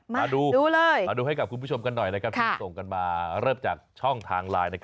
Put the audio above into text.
มาดูเลยมาดูให้กับคุณผู้ชมกันหน่อยที่ส่งกันมาเริ่มจากช่องทางไลน์